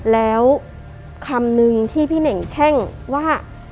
แล้วคำนึงที่พี่เน่งแช่งว่า